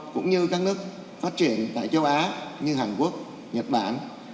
cũng như các nước phát triển tại châu á như hàn quốc nhật bản